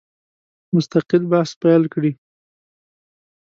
مستقل بحث پیل کړي.